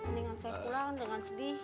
mendingan saya pulang dengan sedih